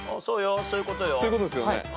そういうことですよね。